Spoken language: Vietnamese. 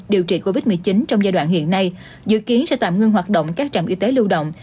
điều trị covid một mươi chín trong giai đoạn hiện nay dự kiến sẽ tạm ngưng hoạt động các trạm y tế lưu động